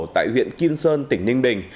tại huyện kim sơn tỉnh ninh bình